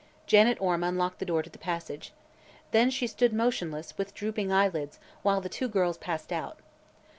Janet Orme unlocked the door to the passage. Then she stood motionless, with drooping eyelids, while the two girls passed out.